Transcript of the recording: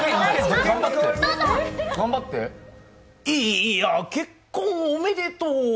いいや、結婚おめでとう。